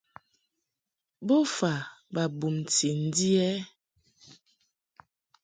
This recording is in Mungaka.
Bofa ba bumti ndi ɛ?